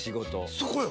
そこよ。